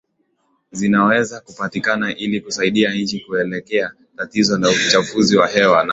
zinazoweza kupatikana ili kusaidia nchi kuelewa tatizo lao la uchafuzi wa hewa na